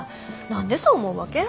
何でそう思うわけ？